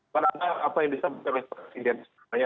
pada saat apa yang bisa diperlukan presiden jokowi adalah